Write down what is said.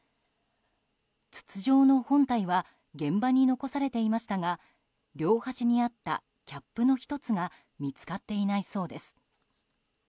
筒状の本体は現場に残されていましたが両端にあったキャップの１つが見つかっていないそうです。